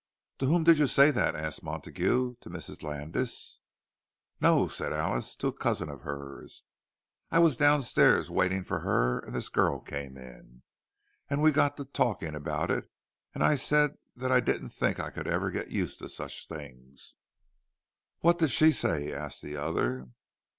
"To whom did you say that?" asked Montague. "To Mrs. Landis?" "No," said Alice, "to a cousin of hers. I was downstairs waiting for her, and this girl came in. And we got to talking about it, and I said that I didn't think I could ever get used to such things." "What did she say?" asked the other.